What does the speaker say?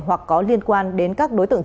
hoặc có liên quan đến các đối tượng